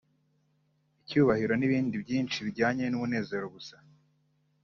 icyubahiro n’ibindi byinshi bijyanye n’umunezero gusa